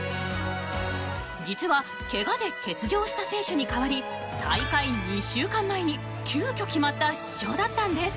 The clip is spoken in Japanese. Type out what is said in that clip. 実はけがで欠場した選手に代わり大会２週間前に急遽決まった出場だったんです。